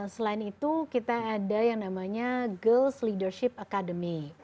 selain itu kita ada yang namanya girls leadership academy